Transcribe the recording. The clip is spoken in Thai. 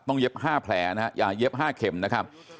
ต้องเย็บห้าแผลนะครับอย่าเย็บห้าเข็มนะครับ